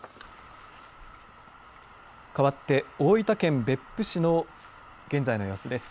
変わって大分県別府市の現在の様子です。